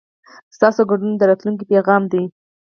ستاسو ګډون د راتلونکي پیغام دی.